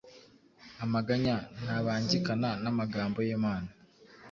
Amaganya ntabangikana n’amagambo y’Imana.